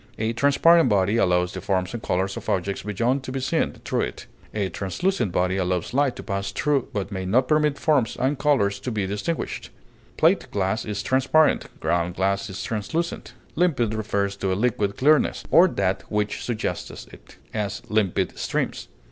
A transparent body allows the forms and colors of objects beyond to be seen through it; a translucent body allows light to pass through, but may not permit forms and colors to be distinguished; plate glass is transparent, ground glass is translucent. Limpid refers to a liquid clearness, or that which suggests it; as, limpid streams.